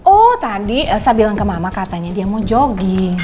oh tadi saya bilang ke mama katanya dia mau jogging